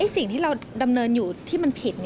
สิ่งที่เราดำเนินอยู่ที่มันผิด